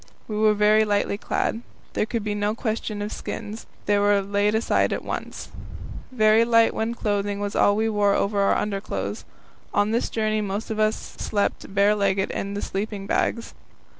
We were very lightly clad. There could be no question of skins; they were laid aside at once. Very light wind clothing was all we wore over our underclothes. On this journey most of us slept barelegged in the sleeping bags.